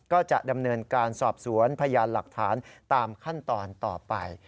ก็จะดำเนินการสอบสวนพยานหลักฐานตามขั้นตอนต่อไป